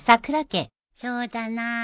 そうだな。